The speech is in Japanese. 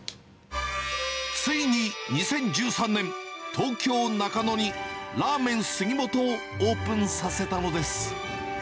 ついに２０１３年、東京・中野にらぁ麺すぎ本をオープンさせたのです。